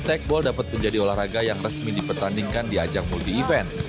tekball dapat menjadi olahraga yang resmi dipertandingkan di ajang multi event